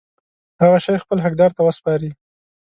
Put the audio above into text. هغه شی خپل حقدار ته وسپاري.